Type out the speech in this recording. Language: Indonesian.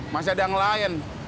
masih ada yang lain